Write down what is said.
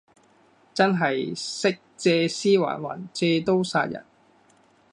真係識借屍還魂，借刀殺人